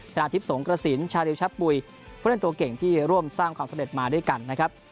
นาทิพย์สงกระสินชาริวชะปุ๋ยผู้เล่นตัวเก่งที่ร่วมสร้างความสำเร็จมาด้วยกันนะครับ